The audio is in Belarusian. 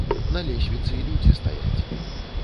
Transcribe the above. На лесвіцы людзі стаяць!